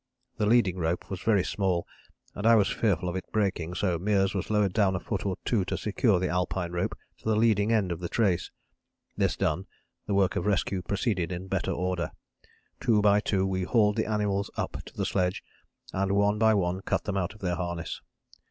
The leading rope was very small and I was fearful of its breaking, so Meares was lowered down a foot or two to secure the Alpine rope to the leading end of the trace; this done, the work of rescue proceeded in better order. Two by two we hauled the animals up to the sledge and one by one cut them out of their harness.